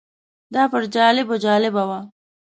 دا پر جالبو جالبه وه.